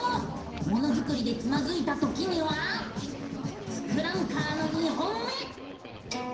ものづくりでつまずいたときには「ツクランカー」の２本目！